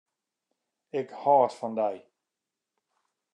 Ik hâld fan dy.